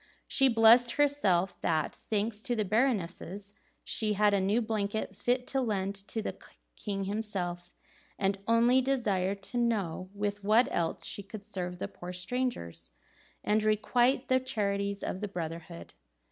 She blessed herself that, thanks to the Baroness, she had a new blanket fit to lend to the king himself, and only desired to know with what else she could serve the poor strangers and requite the charities of the brotherhood.